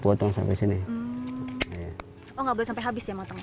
oh tidak boleh sampai habis ya matangnya